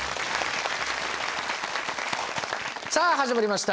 さあ始まりました